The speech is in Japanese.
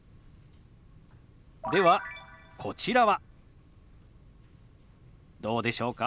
ではこちらはどうでしょうか？